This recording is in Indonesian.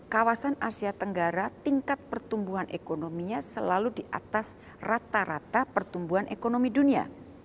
kawasan asia tenggara tingkat pertumbuhan ekonominya selalu di atas rata rata pertumbuhan ekonomi dunia